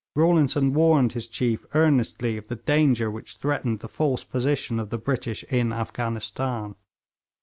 Rawlinson warned his chief earnestly of the danger which threatened the false position of the British in Afghanistan.